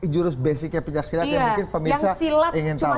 jurus basicnya pencak silat yang mungkin pemirsa ingin tahu